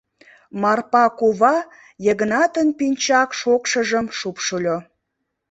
Марпа кува Йыгнатын пинчак шокшыжым шупшыльо.